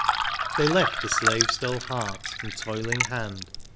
They left the slave's dull heart and toiling hand.